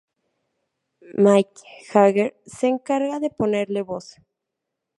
Mick Jagger se encarga de ponerle voz.